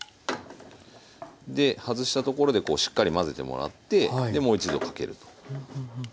で外したところでこうしっかり混ぜてもらってもう一度かけると。